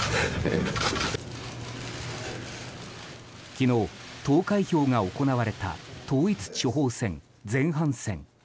昨日、投開票が行われた統一地方選前半戦。